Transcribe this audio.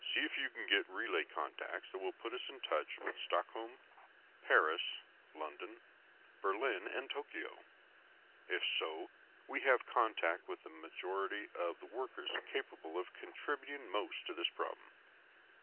"See if you can get relay contacts that will put us in touch with Stockholm, Paris, London, Berlin, and Tokyo. If so, we can have contact with the majority of the workers capable of contributing most to this problem."